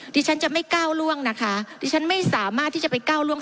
ดิฉันจะไม่ก้าวล่วงนะคะดิฉันไม่สามารถที่จะไปก้าวล่วง